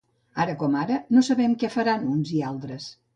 Ara com ara, no sabem què faran uns i altres.